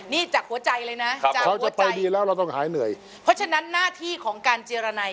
นี่จากหัวใจเลยนะเพราะฉะนั้นหน้าที่ของการเจรนัย